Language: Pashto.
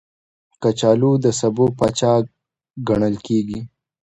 کچالو د سبو پاچا ګڼل کېږي